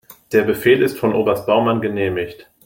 Der Befehl ist von Oberst Baumann genehmigt.